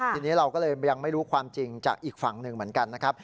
ทีนี้เราก็เลยยังไม่รู้ความจริงจากอีกฝั่งหนึ่งเหมือนกันนะครับ